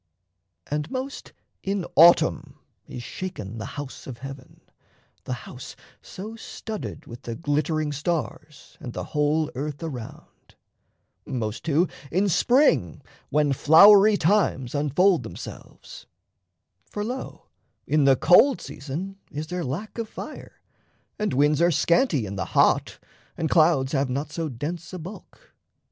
And most in autumn is shaken the house of heaven, The house so studded with the glittering stars, And the whole earth around most too in spring When flowery times unfold themselves: for, lo, In the cold season is there lack of fire, And winds are scanty in the hot, and clouds Have not so dense a bulk.